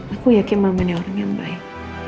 aku yakin mama ini orang yang baik